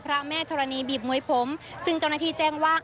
พระแม่ธรณีบีบมวยผมซึ่งเจ้าหน้าที่แจ้งว่า